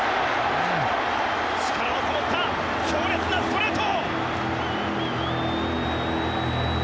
力がこもった強烈なストレート！